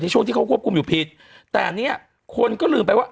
ช่วงที่เขาควบคุมอยู่ผิดแต่อันนี้คนก็ลืมไปว่า